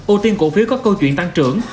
ưu tiên cổ phiếu có câu chuyện tăng trưởng